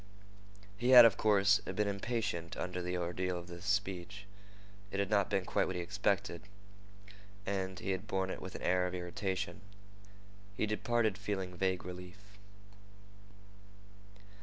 He had, of course, been impatient under the ordeal of this speech. It had not been quite what he expected, and he had borne it with an air of irritation. He departed feeling vague relief.